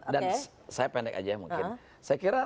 dan saya pendek aja mungkin